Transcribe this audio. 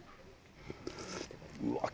うわっ